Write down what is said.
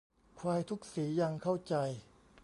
ควายทุกสียังเข้าใจ